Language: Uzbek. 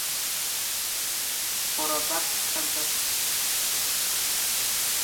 Xo‘rozlar qichqirdi.